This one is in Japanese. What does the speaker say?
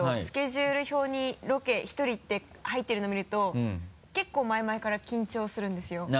スケジュール表に「ロケ１人」って入ってるの見ると結構前々から緊張するんですよ。